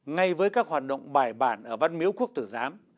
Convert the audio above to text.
ngay với các hoạt động bài bản ở văn miếu quốc tử giám